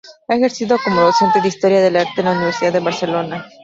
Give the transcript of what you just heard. Ha ejercido como docente de Historia del Arte en la Universidad de Barcelona.